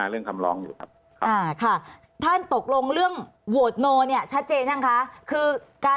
คือการพูดไปไร้งานขึ้นมา